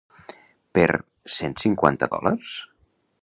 Per cent cinquanta dòlars?